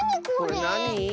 これなに？